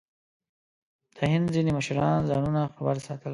د هند ځینې مشران ځانونه خبر ساتل.